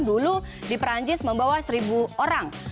dulu di perancis membawa seribu orang